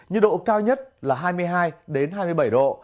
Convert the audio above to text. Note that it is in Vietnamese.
nhiệt độ cao nhất là hai mươi hai hai mươi bảy độ